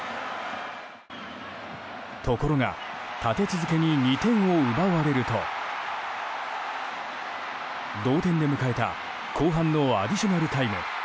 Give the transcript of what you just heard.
ところが立て続けに２点を奪われると同点で迎えた後半のアディショナルタイム。